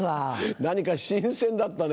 何か新鮮だったね。